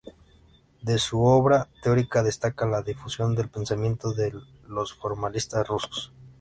De su obra teórica destaca la difusión del pensamiento de los formalistas rusos.